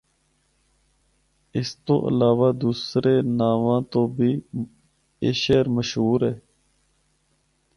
اس تو علاوہ دوسرے ناواں تو بھی اے شہر مشہور ہے۔